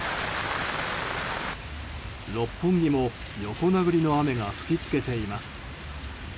六本木も横殴りの雨が吹き付けています。